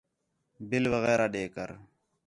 بِل وغیرہ ݙے کر